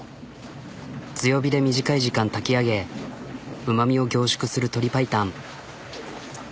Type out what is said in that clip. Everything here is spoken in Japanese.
強火で短い時間炊き上げうまみを凝縮する鶏パイタン。